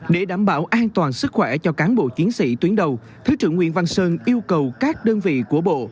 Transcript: để đảm bảo an toàn sức khỏe cho cán bộ chiến sĩ tuyến đầu thứ trưởng nguyễn văn sơn yêu cầu các đơn vị của bộ